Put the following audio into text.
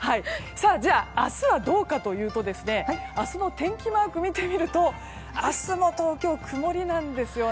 明日はどうかというと明日の天気マークを見てみると明日も東京、曇りなんですよね。